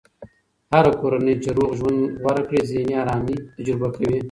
هره کورنۍ چې روغ ژوند غوره کړي، ذهني ارامي تجربه کوي.